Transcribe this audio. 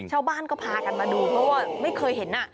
ชาวบ้านก็พากันมาดูเพราะว่าไม่เคยเห็น